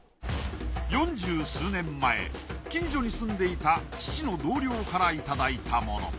四十数年前近所に住んでいた父の同僚からいただいたもの。